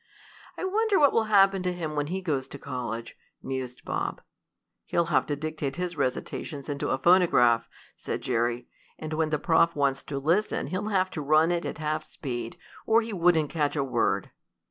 "I wonder what will happen to him when he goes to college," mused Bob. "He'll have to dictate his recitations into a phonograph," said Jerry, "and when the prof wants to listen he'll have to run it at half speed, or he wouldn't catch a word."